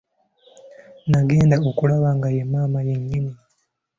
Nagenda okulaba nga ye maama ye nnyini.